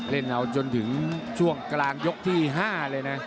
เล่นเอาจนถึงช่วงกลางยกที่๕เลยนะ